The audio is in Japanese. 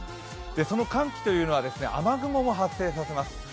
その寒気というのは雨雲も発生させます。